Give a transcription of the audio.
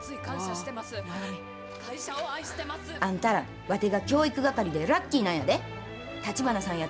あんたらわてが教育係でラッキーなんやで。